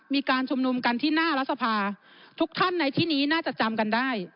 มีการชุมนุมกันที่หน้ารัฐสภาทุกท่านในที่นี้น่าจะจำกันได้